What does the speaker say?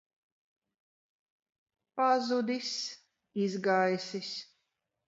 Pazudis. Izgaisis.